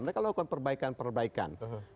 mereka melakukan perbaikan perbaikan